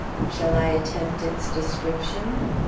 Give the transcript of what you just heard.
Shall I attempt its description?